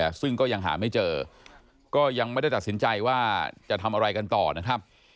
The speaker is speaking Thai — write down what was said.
แต่ซึ่งก็ยังหาไม่เจอก็ยังไม่ได้ตัดสินใจว่าจะทำอะไรกันต่อนะครับ